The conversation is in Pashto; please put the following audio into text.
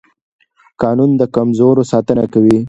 قانون د کمزورو ساتنه کوي